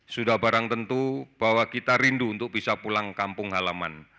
sudah barang tentu bahwa kita rindu untuk bisa pulang kampung halaman